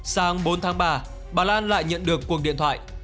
sáng bốn tháng ba bà lan lại nhận được cuộc điện thoại